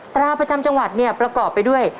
ตราประจำจังหวัดเนี่ยประกอบไปด้วย